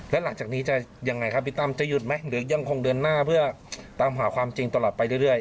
แล้วหลังจากนี้จะยังไงครับพี่ตั้มจะหยุดไหมหรือยังคงเดินหน้าเพื่อตามหาความจริงตลอดไปเรื่อย